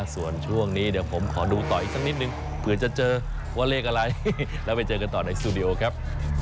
ส่วนช่วงนี้เดี๋ยวผมขอดูต่ออีกสักนิดนึงเผื่อจะเจอว่าเลขอะไรแล้วไปเจอกันต่อในสตูดิโอครับ